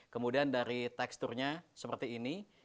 kemudian dari teksturnya seperti ini